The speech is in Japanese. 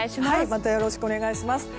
またよろしくお願いします。